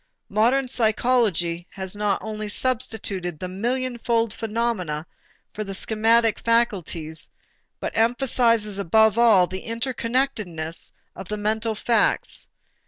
Modern psychology has not only substituted the millionfold phenomena for the schematic faculties, but emphasizes above all the interconnectedness of the mental facts.